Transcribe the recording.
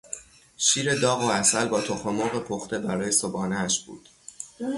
شیر داغ و عسل با تخم مرغ پخته برای صبحانهاش بود